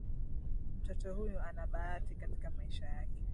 Mtoto huyu ana bahati katika maisha yake sana.